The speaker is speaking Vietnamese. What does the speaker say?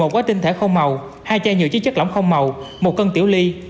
một mươi một quái tinh thể không màu hai chai nhựa chất chất lỏng không màu một cân tiểu ly